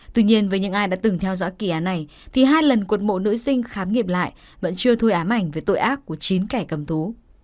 tuy nhiên với những ai đã từng theo dõi kỳ án này thì hai lần cột mộ nữ sinh khám nghiệp lại vẫn chưa thôi ám ảnh về tội ác của chín kẻ cầm thú